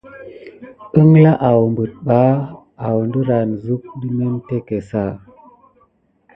Əŋgla awɓəɗ ɓa awdəran zuk də memteke sa?